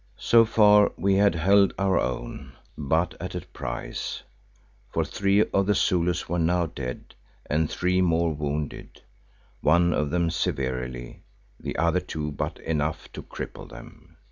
So far we had held our own, but at a price, for three of the Zulus were now dead and three more wounded, one of them severely, the other two but enough to cripple them.